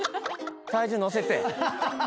体重乗せて。